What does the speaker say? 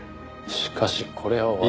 しかしこれは私の。